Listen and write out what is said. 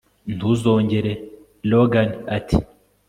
ntuzongere! logan ati